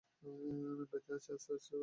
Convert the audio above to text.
ব্যাথা আস্তে আস্তে বাড়তে থাকে।